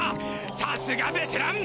さすがベテラン！